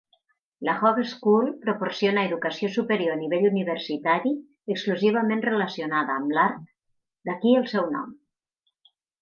La Hogeschool proporciona educació superior a nivell universitari exclusivament relacionada amb l'art, d'aquí el seu nom.